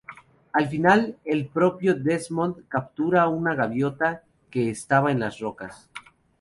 Al final el propio Desmond captura a una gaviota que estaba en las rocas.